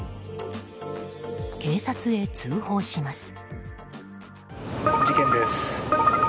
警察へ通報します。